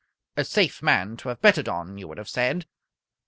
A safe man to have betted on, you would have said.